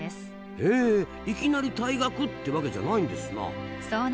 へえいきなり退学ってわけじゃないんですな。